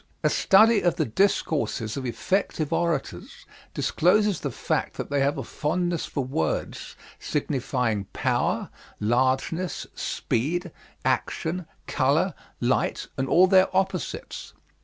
"A study of the discourses of effective orators discloses the fact that they have a fondness for words signifying power, largeness, speed, action, color, light, and all their opposites.